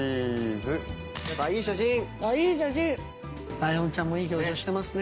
ライオンちゃんもいい表情してます。